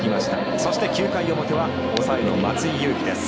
そして、９回表は抑えの松井裕樹です。